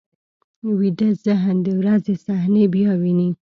ویده ذهن د ورځې صحنې بیا ویني